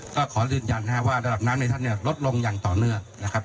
ก็ขอยืนยันว่าระดับน้ำในท่านเนี่ยลดลงอย่างต่อเนื่องนะครับ